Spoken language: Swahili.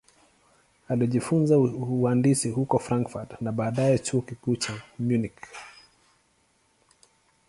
Alijifunza uhandisi huko Frankfurt na baadaye Chuo Kikuu cha Munich.